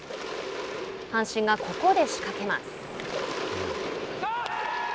阪神がここで仕掛けます。